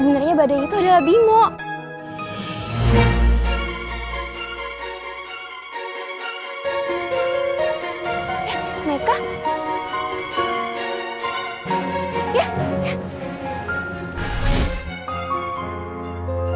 bagaimana kalau aku nanti kembali di tempat tsukasa